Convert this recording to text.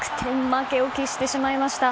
負けを喫してしまいました。